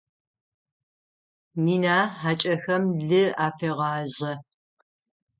Мина хьакӏэхэм лы афегъажъэ.